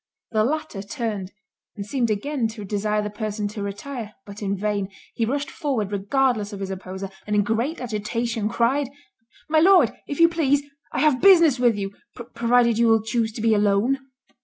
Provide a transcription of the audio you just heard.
The latter turned, and seemed again to desire the person to retire, but in vain; he rushed forward regardless of his opposer, and in great agitation, cried, "My Lord, if you please, I have business with you, provided you will chuse to be alone."